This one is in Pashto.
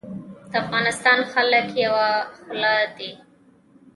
د افغانستان خلک یوه خوله دي